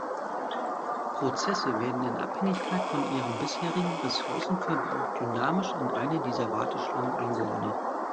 Prozesse werden in Abhängigkeit von ihrem bisherigen Ressourcenverbrauch dynamisch in eine dieser Warteschlangen eingeordnet.